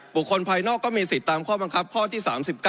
คนภายนอกก็มีสิทธิ์ตามข้อบังคับข้อที่๓๙